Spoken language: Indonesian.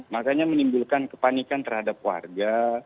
makanya menimbulkan kepanikan terhadap warga